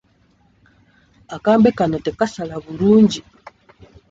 Akambe kano tekasala bulungi.